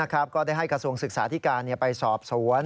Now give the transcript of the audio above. ก็ได้ให้กระทรวงศึกษาธิการไปสอบสวน